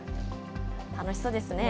楽しそうですね。